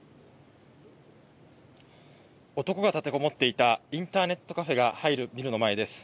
男が立てこもっていたインターネットカフェが入るビルの前です。